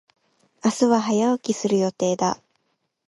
明日は早起きする予定だ。